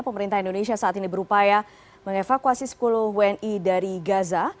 pemerintah indonesia saat ini berupaya mengevakuasi sepuluh wni dari gaza